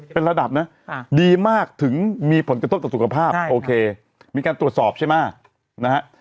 เป็นระดับนะดีมากถึงมีผลกระทบต่อสุขภาพโอเคมีการตรวจสอบใช่ไหมนะฮะ